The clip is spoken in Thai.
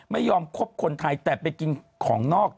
ไม่ยอมคบคนไทยแต่ไปกินของนอก